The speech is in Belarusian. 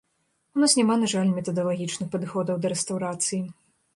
У нас няма, на жаль, метадалагічных падыходаў да рэстаўрацыі.